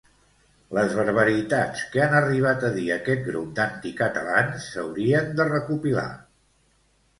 Les barbaritats que han arribat a dir aquest grup d'anticatalans s'haurien de recopilar.